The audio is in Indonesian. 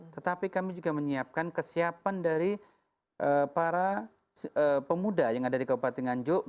tetapi kami juga menyiapkan kesiapan dari para pemuda yang ada di kabupaten nganjuk